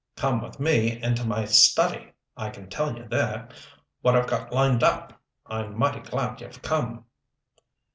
"Come with me into my study. I can tell you there what I've got lined up. I'm mighty glad you've come."